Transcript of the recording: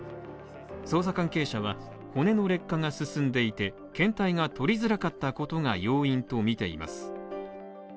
捜査関係者は、骨の劣化が進んでいて、検体が取りづらかったことが要因とみています。